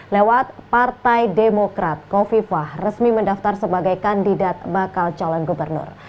lewat partai demokrat kofifah resmi mendaftar sebagai kandidat bakal calon gubernur